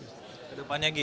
ke depannya egy